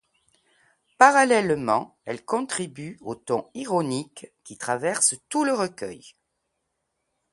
Parallèlement, elles contribuent au ton ironique qui traverse tout le recueil.